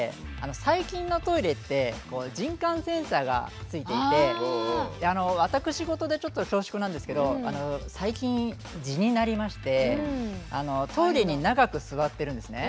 最近のトイレって私事でちょっと恐縮なんですけど最近痔になりましてトイレに長く座ってるんですね。